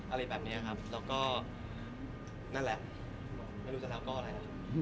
อะไรแบบนี้ครับแล้วก็นั่นแหละไม่รู้จะแล้วก็อะไร